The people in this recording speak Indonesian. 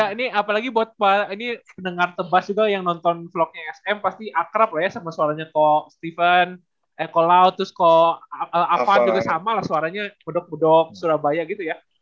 ya ini apalagi buat pendengar tebas juga yang nonton vlognya sm pasti akrab lah ya sama suaranya ko stephen eko laut terus ko avan juga sama lah suaranya mudok mudok surabaya gitu ya